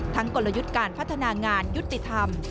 กลยุทธ์การพัฒนางานยุติธรรม